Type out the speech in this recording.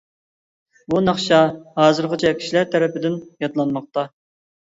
بۇ ناخشا ھازىرغىچە كىشىلەر تەرىپىدىن يادلانماقتا.